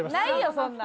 そんなん！